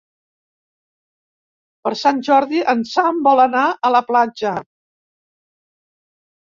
Per Sant Jordi en Sam vol anar a la platja.